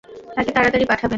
তাকে তাড়াতাড়ি পাঠাবেন।